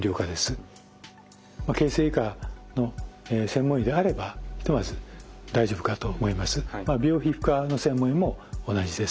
形成外科の専門医であればひとまず大丈夫かと思います。